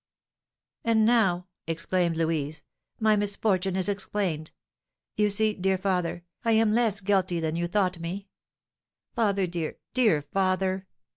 "Ah, now," exclaimed Louise, "my misfortune is explained. You see, dear father, I am less guilty than you thought me. Father! dear, dear father!